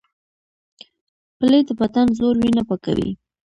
پلی د بدن زوړ وینه پاکوي